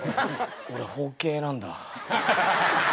「俺包茎なんだ」。